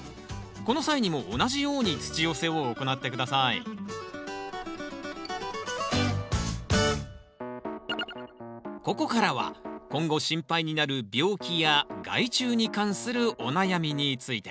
この際にも同じように土寄せを行って下さいここからは今後心配になる病気や害虫に関するお悩みについて。